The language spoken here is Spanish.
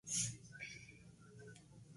Más de normandas quedaron desiertas.